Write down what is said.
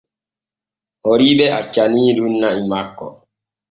Horiiɓe accaniiɗun na'i makko.